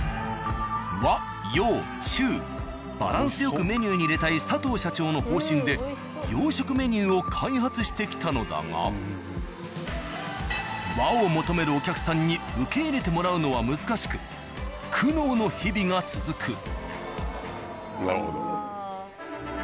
和・洋・中バランスよくメニューに入れたい佐藤社長の方針で洋食メニューを開発してきたのだが和を求めるお客さんに受け入れてもらうのは難しく苦悩の日々が続く。